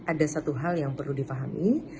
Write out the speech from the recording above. ada satu hal yang perlu difahami